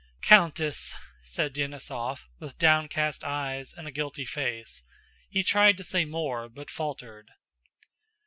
"Countess..." said Denísov, with downcast eyes and a guilty face. He tried to say more, but faltered.